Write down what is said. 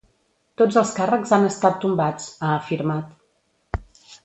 Tots els càrrecs han estat tombats, ha afirmat.